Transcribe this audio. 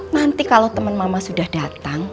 nanti kalau teman mama sudah datang